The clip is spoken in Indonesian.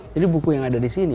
jadi buku yang ada disini